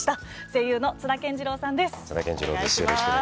声優の津田健次郎さんです。